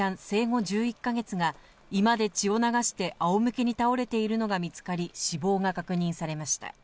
生後１１か月が、居間で血を流してあおむけに倒れているのが見つかり、死亡が確認されました。